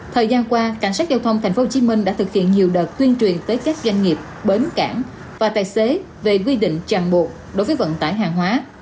thời gian qua cảnh sát giao thông tp hcm đã thực hiện nhiều đợt tuyên truyền tới các doanh nghiệp bến cảng và tài xế về quy định chẳng buộc đối với vận tải hàng hóa